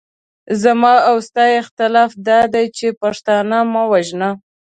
زما او ستا اختلاف دادی چې پښتانه مه وژنه.